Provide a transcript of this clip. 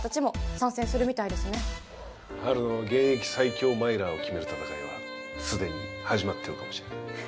春の現役最強マイラーを決める戦いは既に始まってるかもしれないアハハハ